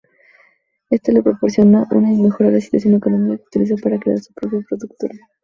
Esto le proporcionó una inmejorable situación económica que utilizó para crear su propia productora.